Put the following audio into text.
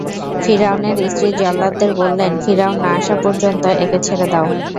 ফিরআউনের স্ত্রী জল্লাদদের বললেন, ফিরআউন না আসা পর্যন্ত একে ছেড়ে দাও।